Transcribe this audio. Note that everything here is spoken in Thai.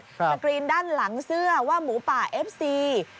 สกรีนด้านหลังเสื้อว่าหมูป่าเอฟซี